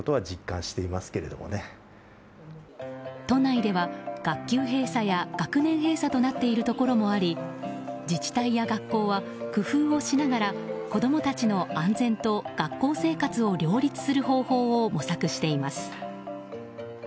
都内では学級閉鎖や学年閉鎖となっているところもあり自治体や学校は工夫をしながら子供たちの安全と学校生活を両立する方法を模索しています。